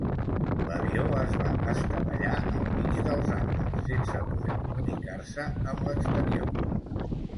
L'avió es va estavellar al mig dels Andes sense poder comunicar-se amb l'exterior.